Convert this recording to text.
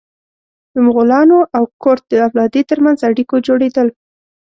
د مغولانو او کرت د اولادې تر منځ اړیکو جوړېدل.